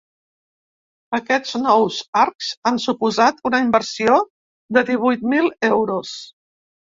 Aquests nous arcs han suposat una inversió de divuit mil euros.